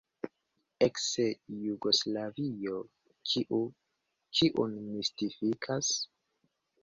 Eks-Jugoslavio: kiu kiun mistifikas?